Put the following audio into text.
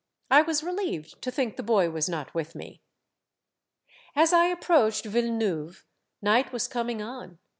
I was relieved to think the boy was not with me. "As I approached Villeneuve, night was coming on.